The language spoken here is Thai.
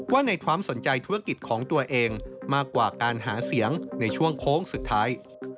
ว่าในความสนใจธุรกิจของตัวเองมากกว่าการหาเสียงในช่วงโค้งสุดท้าย